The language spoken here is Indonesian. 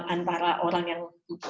antara orang yang